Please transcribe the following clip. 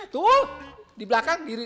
tuh di belakang diri